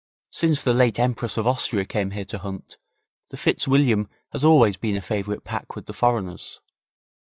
Since the late Empress of Austria came here to hunt, the Fitzwilliam has always been a favourite pack with the foreigners.'